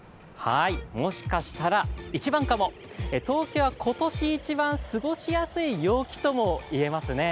もしかしたらイチバンかも、東京は今年一番過ごしやすい陽気ともいえますね。